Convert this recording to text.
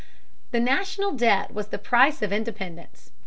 The National Debt was the price of independence.